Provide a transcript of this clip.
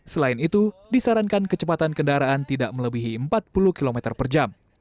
selain itu disarankan kecepatan kendaraan tidak melebihi empat puluh km per jam